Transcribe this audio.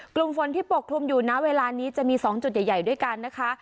กลุ่มฝนที่ปกคลุมอยู่นะเวลานี้จะมี๒จุดใหญ่ด้วยกันนะคะ